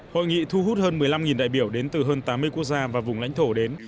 hội nghị thu hút hơn một mươi năm đại biểu đến từ hơn tám mươi quốc gia và vùng lãnh thổ đến